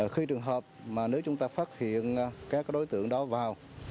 khi trường hợp mà nếu chúng ta phát hiện các đối tượng đó vào